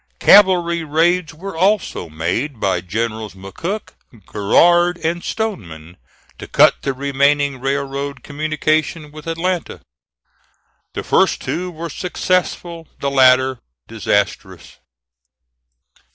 Cavalry raids were also made by Generals McCook, Garrard, and Stoneman, to cut the remaining Railroad communication with Atlanta. The first two were successful the latter, disastrous.